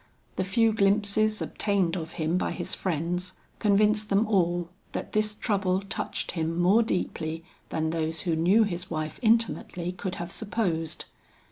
The few glimpses obtained of him by his friends, convinced them all, that this trouble touched him more deeply than those who knew his wife intimately could have supposed.